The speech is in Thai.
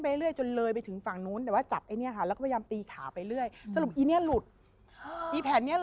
เพื่อนแอนกว้ายเกี่ยวขอข้อแอนขึ้นไป